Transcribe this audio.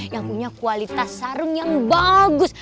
yang punya kualitas sarung yang bagus